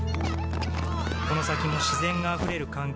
この先も自然があふれる環境を